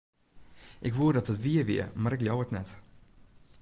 Ik woe dat it wier wie, mar ik leau it net.